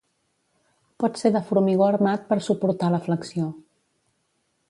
Pot ser de formigó armat, per suportar la flexió.